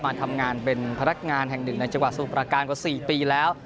มาทำงานเป็นพนักงานแห่งหนึ่งในจังหวัดสมุทรประการกว่า๔ปีแล้ว